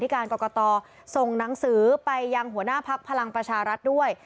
การกรกตส่งหนังสือไปยังหัวหน้าพักพลังประชารัฐด้วย